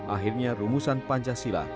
akhirnya rumusan pancasila